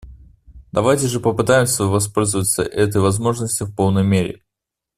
Давайте же попытаемся воспользоваться этой возможностью в полной мере.